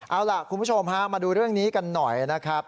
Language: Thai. เอาล่ะคุณผู้ชมฮะมาดูเรื่องนี้กันหน่อยนะครับ